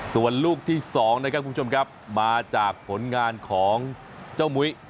ส่วนลูกที่๒นะครับคุณผู้ชมครับมาจากผลงานของเจ้ามุ้ย